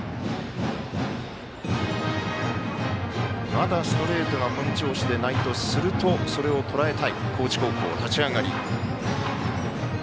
まだ、ストレートが本調子でないとするとそれをとらえたい高知高校、立ち上がり。